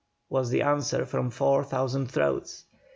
was the answer from four thousand throats.